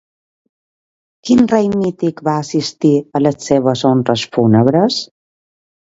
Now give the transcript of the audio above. Quin rei mític va assistir a les seves honres fúnebres?